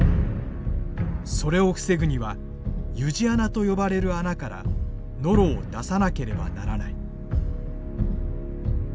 それを防ぐには湯路穴と呼ばれる穴からノロを出さなければならない。